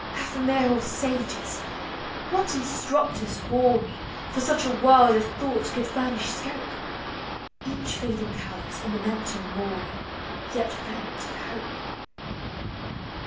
Ephemeral sages! what instructors hoary For such a world of thought could furnish scope ? Each fading calyx a memento mori, Yet fount of hope.